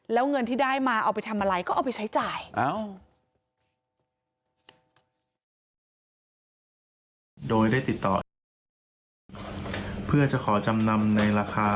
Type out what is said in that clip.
แล้วเงินที่ได้มาเอาไปทำอะไรก็เอาไปใช้จ่าย